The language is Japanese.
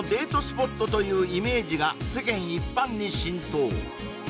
スポットというイメージが世間一般に浸透